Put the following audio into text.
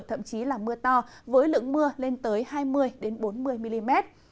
thậm chí là mưa to với lượng mưa lên tới hai mươi bốn mươi mm